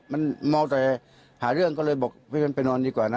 มันเมาแต่หาเรื่องก็เลยบอกไม่งั้นไปนอนดีกว่านะ